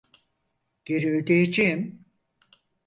Geri ödeyeceğim.